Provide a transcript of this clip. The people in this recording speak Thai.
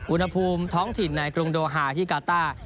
อุณหภูมิท้องถิ่นในกรุงโดฮาที่กาต้า